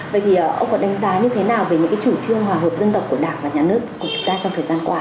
vậy thì ông có đánh giá như thế nào về những cái chủ trương hòa hợp dân tộc của đảng và nhà nước của chúng ta trong thời gian qua